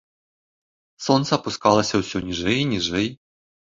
Сонца апускалася ўсё ніжэй і ніжэй.